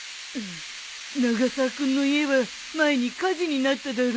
永沢君の家は前に火事になっただろ？